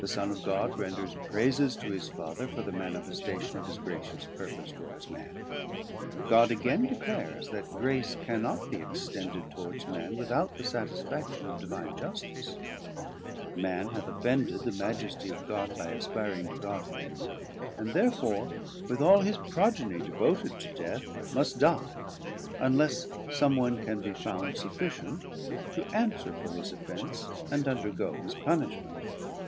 The Son of God renders praises to his father for the manifestation of his gracious purpose towards Man; God again declares, that Grace cannot be extended towards Man without the satisfaction of divine Justice; Man hath offended the majesty of God by aspiring to Godhead, and therefore with all his progeny devoted to death must dye, unless some one can be found sufficient to answer for his offence, and undergoe his Punishment.